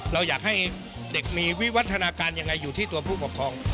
เราอยากให้เด็กมีวิวัฒนาการยังไงอยู่ที่ตัวผู้ปกครอง